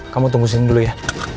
kamu tunggu sini dulu ya